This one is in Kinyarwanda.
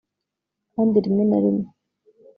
kandi rimwe na rimwe